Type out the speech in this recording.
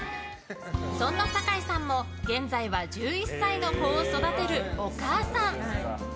そんな坂井さんも現在は１１歳の子を育てるお母さん。